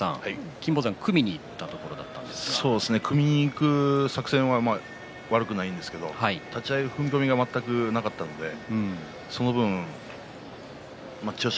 金峰山が組みにいった組みにいく作戦は悪くないんですけれども立ち合いの踏み込みが全くなかったので、その分、千代翔